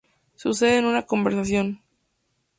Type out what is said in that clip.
Sucede en una conversación.